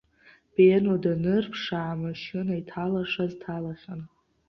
Бено данырԥшаа, амашьына иҭалашаз ҭалахьан.